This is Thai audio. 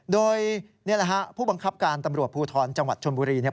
โดยผู้บังคับการณ์ตำรวจภูทรจังหวัดชนบุรี